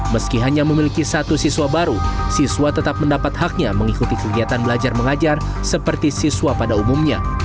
meski hanya memiliki satu siswa baru siswa tetap mendapat haknya mengikuti kegiatan belajar mengajar seperti siswa pada umumnya